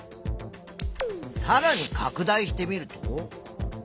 さらにかく大してみると。